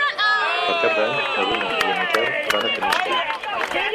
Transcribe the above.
Per Cap d'Any na Duna i en Miquel van a Peníscola.